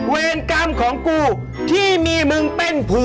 เวรกรรมของกูที่มีมึงเป็นผัว